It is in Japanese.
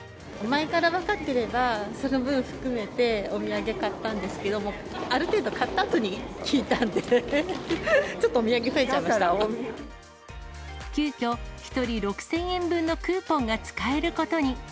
前から分かっていれば、その分含めて、お土産買ったんですけど、もうある程度買ったあとに聞いたんで、ちょっとお土産増えちゃい急きょ、１人６０００円分のクーポンが使えることに。